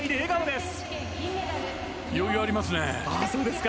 余裕がありますね。